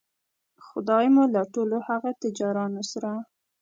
خدای مو له ټولو هغو تجارانو سره